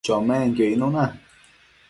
chomenquio icnuna